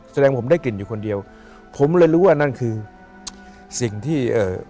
แสดงผมได้กลิ่นอยู่คนเดียวผมเลยรู้ว่านั่นคือสิ่งที่เอ่อ